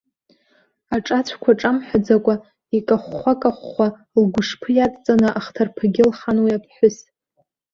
Аҿацәқәа ҿамҳәаӡакәа, икахәхәа-кахәхәа, лгәышԥы иадҵаны, ахҭарԥагьы лхан уи аԥҳәыс.